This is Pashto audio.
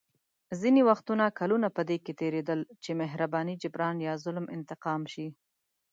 ځینې وختونه کلونه په دې تېرېدل چې مهرباني جبران یا ظلم انتقام شي.